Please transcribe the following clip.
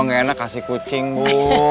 gak enak kasih kucing bu